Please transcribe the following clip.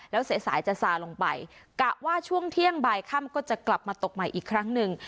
แล้วสายสายจะซาลงไปกะว่าช่วงเที่ยงบ่ายค่ำก็จะกลับมาตกใหม่อีกครั้งหนึ่ง